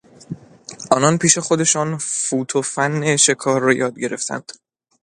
آنان پیش خودشان فوت و فن شکار را یاد گرفتند.